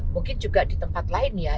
mungkin juga di tempat lain ya